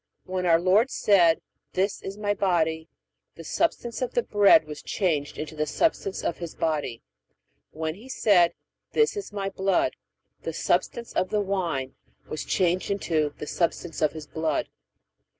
When our Lord said, This is My body, the substance of the bread was changed into the substance of His body; when He said, This is My blood, the substance of the wine was changed into the substance of His blood.